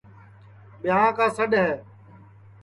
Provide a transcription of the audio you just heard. ٻیاں کا سڈؔ ہے